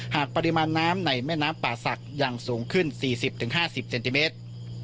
หากปริมาณน้ำในแม่น้ำป่าศักดิ์ยังสูงขึ้น๔๐๕๐เซนติเมตร